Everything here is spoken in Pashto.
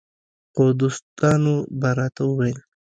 خو دوستانو به راته ویل